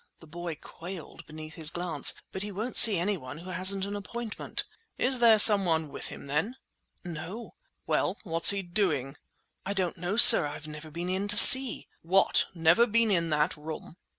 —the boy quailed beneath his glance—"but he won't see any one who hasn't an appointment." "Is there someone with him, then?" "No." "Well, what's he doing?" "I don't know, sir; I've never been in to see!" "What! never been in that room?"